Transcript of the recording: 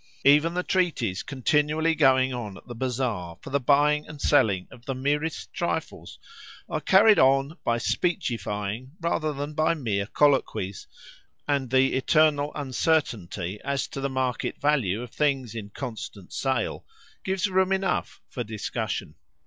Even the treaties continually going on at the bazaar for the buying and selling of the merest trifles are carried on by speechifying rather than by mere colloquies, and the eternal uncertainty as to the market value of things in constant sale gives room enough for discussion.